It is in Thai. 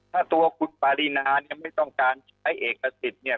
ถ้าตัวคุณปวีนาไม่ต้องการใช้เอกสิทธิ์